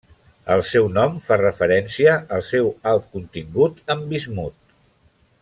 El seu nom fa referència al seu alt contingut en bismut.